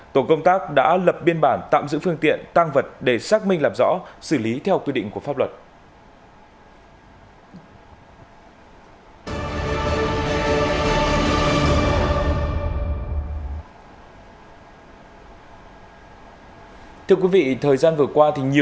tổ công tác đã lập biên bản tạm giữ phương tiện tăng vật để xác minh làm rõ xử lý theo quy định của pháp luật